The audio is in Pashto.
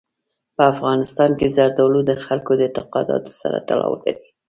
په افغانستان کې زردالو د خلکو د اعتقاداتو سره تړاو لري.